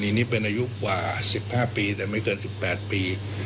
นี้เป็นอายุกว่า๑๕ปีแต่ไม่เกิน๑๘ปี